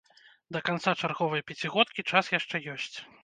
Да канца чарговай пяцігодкі час яшчэ ёсць.